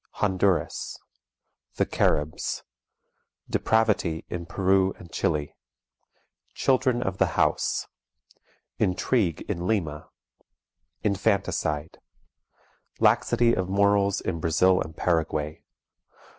Honduras. The Caribs. Depravity in Peru and Chili. "Children of the House." Intrigue in Lima. Infanticide. Laxity of Morals in Brazil and Paraguay.